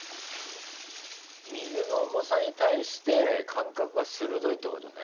水の重さに対して感覚が鋭いってことね。